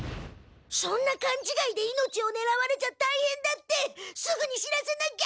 そんなかんちがいで命をねらわれちゃたいへんだってすぐに知らせなきゃ。